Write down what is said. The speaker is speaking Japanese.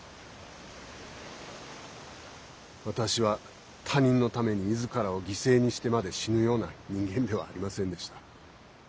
私は他人のために自らを犠牲にしてまで死ぬような人間ではありませんでした。